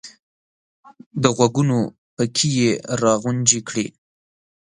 د غوږونو پکې یې را غونجې کړې !